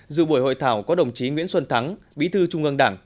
dự buổi hội thảo có đồng chí nguyễn xuân thắng bí thư trung ương đảng